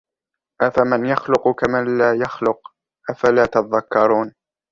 أَفَمَنْ يَخْلُقُ كَمَنْ لَا يَخْلُقُ أَفَلَا تَذَكَّرُونَ